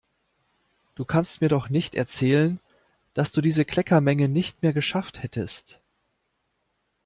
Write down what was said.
Du kannst mir doch nicht erzählen, dass du diese Kleckermenge nicht mehr geschafft hättest!